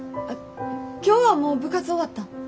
今日はもう部活終わったん？